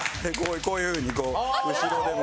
こういうふうにこう後ろでも。